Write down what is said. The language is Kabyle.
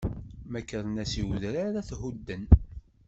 Ma kkren-as i udrar, ad t-hudden.